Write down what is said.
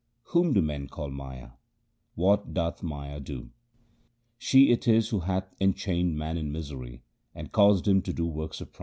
Whom do men call Maya ? What doth Maya do ? She it is who hath enchained man in misery 1 and caused him to do works of pride.